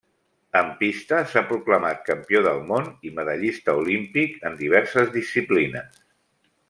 En pista s'ha proclamat campió del món i medallista olímpic en diverses disciplines.